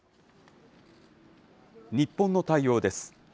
日本の対応です。